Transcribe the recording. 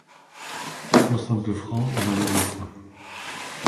Soixante francs dans le gouffre.